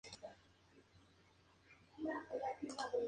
Vive en la campiña romana.